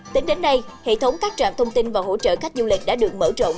tính đến nay hệ thống các trạm thông tin và hỗ trợ khách du lịch đã được mở rộng